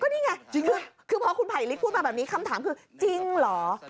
นี่ไงคือพอคุณไผลลิกพูดมาแบบนี้คำถามคือจริงเหรอ